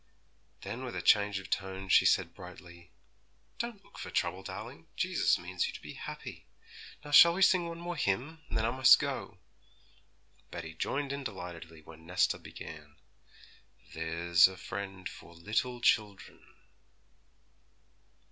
Then with a change of tone she said brightly, 'Don't look for trouble, darling; Jesus means you to be happy. Now shall we sing one more hymn, and then I must go.' Betty joined in delightedly when Nesta began, 'There's a Friend for little children.'